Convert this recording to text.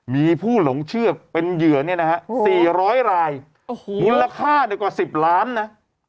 มีผู้หลงเชื่อเป็นเหยื่อเนี่ยนะฮะ๔๐๐รายมูลค่ากว่า๑๐ล้านนะ